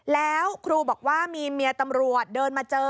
แล้วครูบอกว่ามีเมียตำรวจเดินมาเจอ